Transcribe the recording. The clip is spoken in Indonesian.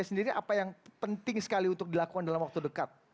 sendiri apa yang penting sekali untuk dilakukan dalam waktu dekat